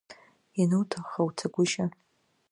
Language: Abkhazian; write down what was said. Иануҭахха уцагәышьа!